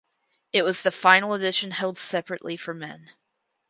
It was the final edition held separately for men.